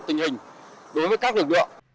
tự hình đối với các lực lượng